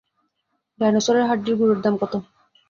ডাইনোসরের হাড্ডির গুড়োর দাম কতো?